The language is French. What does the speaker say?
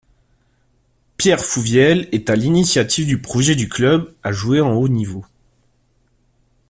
Pierre Fouvielle est à l'initiative du projet du club à jouer en haut niveau.